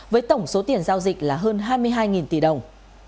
với tổng số tiền giao dịch là hơn hai mươi hai tỷ đồng